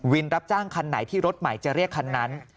รับจ้างคันไหนที่รถใหม่จะเรียกคันนั้น